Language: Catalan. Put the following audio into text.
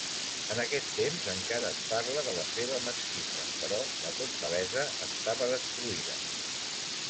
En aquest temps encara es parla de la seva mesquita però la fortalesa estava destruïda.